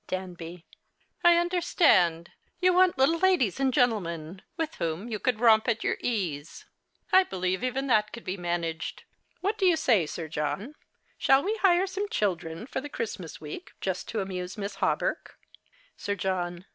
Danby. I understand. You want little ladies and gentlemen, with whom you could romp at your ease. I believe even that could be managed. What do you say, Sir John ? Shall we hire some children for the C'hristmas week, just to amuse Miss Hawberk ? Sir John.